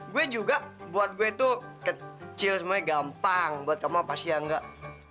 gue juga buat gue itu kecil semuanya gampang buat kamu pasti yang enggak